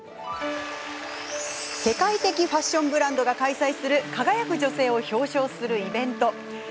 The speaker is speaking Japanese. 世界的ファッションブランドが開催する最も輝く女性を表彰するイベント。